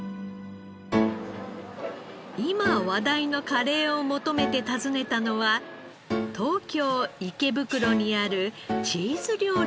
今話題のカレーを求めて訪ねたのは東京池袋にあるチーズ料理の専門店。